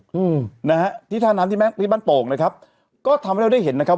อืมนะฮะที่ท่าน้ำที่แม่งที่บ้านโป่งนะครับก็ทำให้เราได้เห็นนะครับ